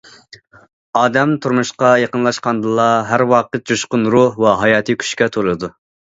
ئادەم تۇرمۇشقا يېقىنلاشقاندىلا ھەر ۋاقىت جۇشقۇن روھ ۋە ھاياتىي كۈچكە تولىدۇ.